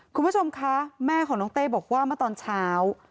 คุณผู้ชมคะแม่ของน้องเต้บอกว่าเมื่อตอนเช้า